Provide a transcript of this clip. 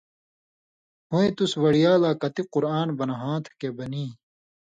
ہُویں، تُس وڑیا لا کتُک قرآن بنہاں تھہ کھیں بنی۔